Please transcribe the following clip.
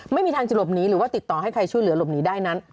ไม่มีทางจะหลบหนีหรือว่าติดต่อให้ใครช่วยเหลือหลบหนีได้นั้น